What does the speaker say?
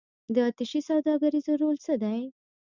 د اتشې سوداګریز رول څه دی؟